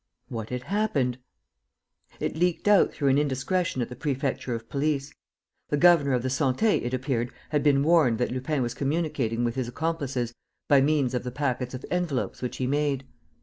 What had happened? It leaked out through an indiscretion at the Prefecture of Police. The governor of the Santé, it appeared, had been warned that Lupin was communicating with his accomplices by means of the packets of envelopes which he made.